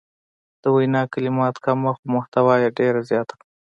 د وینا کلمات کم وو خو محتوا یې ډیره زیاته وه.